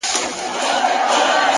نیک چلند د درناوي تخم شیندي،